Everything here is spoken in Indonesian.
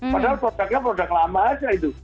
padahal produknya produk lama aja itu